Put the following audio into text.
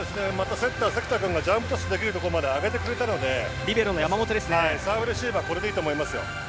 セッターの関田君がジャンプトスできるところまで上げてくれたのでサーブ、レシーブはこれでいいと思いますよ。